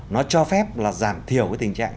nó cho phép là giảm thiểu tình trạng